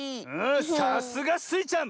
さすがスイちゃん！